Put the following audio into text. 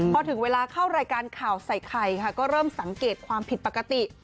พอถึงเวลาเข้ารายการข่าวใส่ไข่ค่ะก็เริ่มสังเกตความผิดปกติ